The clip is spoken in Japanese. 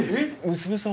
娘さん